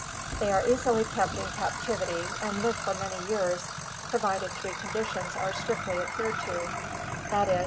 They are easily kept in captivity, and live for many years, provided three conditions are strictly adhered to, viz.